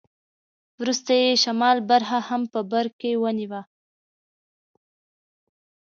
وروسته یې شمال برخه هم په برکې ونیوه.